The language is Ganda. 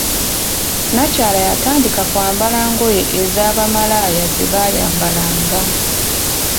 Nnakyala yatandika kwambala ngoye eza bamalaaya zebayambalanga.